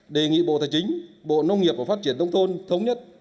đề nghị bộ thái chính bộ nông nghiệp và phát triển tông thôn thống nhất